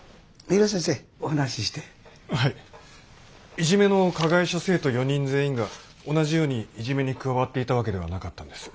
いじめの加害者生徒４人全員が同じようにいじめに加わっていた訳ではなかったんです。